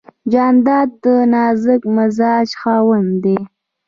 جانداد د نازک مزاج خاوند دی.